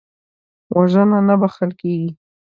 وژنه نه بخښل کېږي